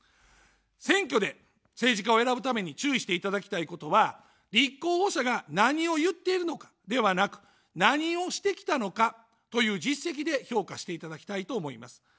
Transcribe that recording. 選挙で政治家を選ぶために注意していただきたいことは、立候補者が何を言っているのかではなく、何をしてきたのかという実績で評価していただきたいと思います。